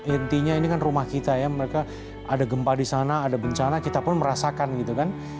intinya ini kan rumah kita ya mereka ada gempa di sana ada bencana kita pun merasakan gitu kan